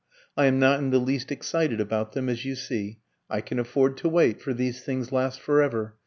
I am not in the least excited about them, as you see; I can afford to wait, for these things last for ever.